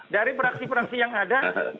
dari fraksi fraksi yang ada